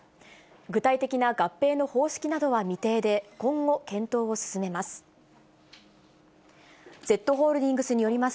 具体的な合併の方式などは未定で、今後検討を進めます。